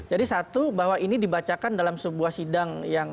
jadi satu bahwa ini dibacakan dalam sebuah sidang yang